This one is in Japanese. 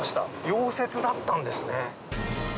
溶接だったんですね。